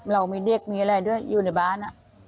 เราไม่ได้มีอะไรด้วยอยู่ในบ้าน